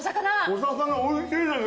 お魚おいしいです。